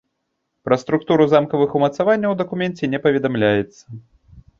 Пра структуру замкавых умацаванняў у дакуменце не паведамляецца.